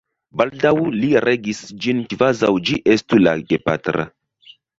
Baldaŭ li regis ĝin kvazaŭ ĝi estu la gepatra.